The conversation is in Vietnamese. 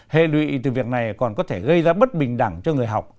hệ lụy từ việc này còn có thể gây ra bất bình đẳng cho người học